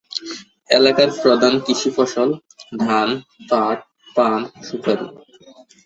এলাকার প্রধান কৃষি ফসল ধান, পাট, পান, সুপারি।